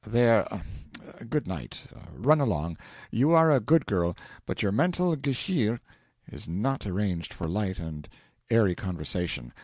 'There, good night, run along; you are a good girl, but your mental Geschirr is not arranged for light and airy conversation.